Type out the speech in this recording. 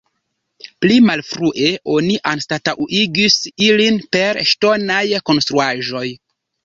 Pli malfrue oni anstataŭigis ilin per ŝtonaj konstruaĵoj.